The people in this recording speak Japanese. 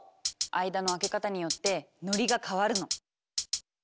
間の空け方によってノリが変わるの。